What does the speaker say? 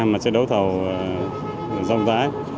mà sẽ đấu thầu rong rãi